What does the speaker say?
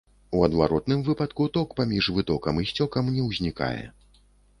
У адваротным выпадку ток паміж вытокам і сцёкам не ўзнікае.